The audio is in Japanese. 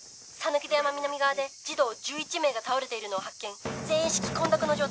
木戸山南側で児童１１名が倒れているのを発見全員意識混濁の状態